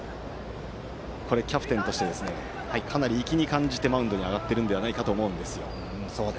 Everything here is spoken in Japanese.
キャプテンとしてかなり意気に感じてマウンドに上がってるんじゃないかと思うんですよ。